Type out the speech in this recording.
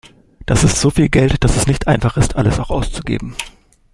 Das ist so viel Geld, dass es nicht einfach ist, alles auch auszugeben.